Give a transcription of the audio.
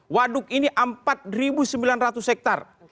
waduk ini empat sembilan ratus hektare